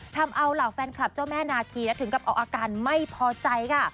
ทำเอาเหล่าแฟนคลับเจ้าแม่นาคีถึงกับเอาอาการไม่พอใจค่ะ